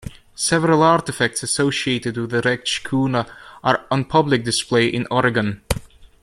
Several artifacts associated with the wrecked schooner are on public display in Oregon.